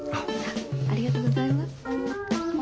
ありがとうございます。